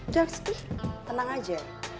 jangan seti tenang aja